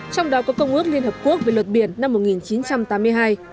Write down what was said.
trong đó có công ước liên hợp quốc về luật biển năm một nghìn chín trăm tám mươi hai